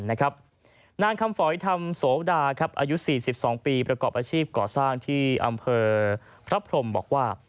นางคำฝอยธรรมโสดาอายุ๔๒ปีประกอบอาชีพก่อสร้างที่อำเภอพระพรมบอกว่า